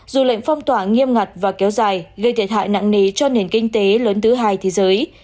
dù lệnh phong tỏa nghiêm ngặt và kéo dài gây thể thại nặng ní cho nền kinh tế lớn thứ hai thế giới